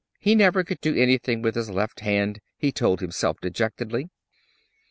He never could do anything with his left hand, he told himself dejectedly.